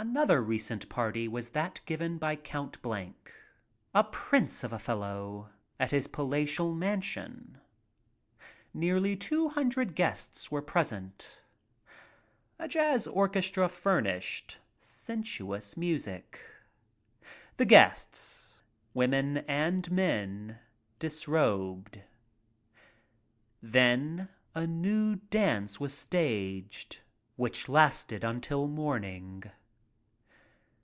Another recent party was that given by Count a "prince" of a fellow, at his palatial ■ mansion. Nearly two hundred guests were pres ent. A jazz orchestra furnished sensuous music. The guests, women and men, disrobed. Then a nude dance was staged which lasted until morning.